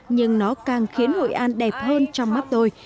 nhưng nó càng khiến hội an đẹp hơn trong mắt tôi